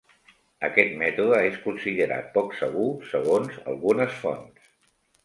Aquest mètode és considerat poc segur segons algunes fonts.